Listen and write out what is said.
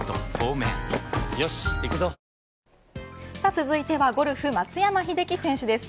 続いてはゴルフ、松山英樹選手です。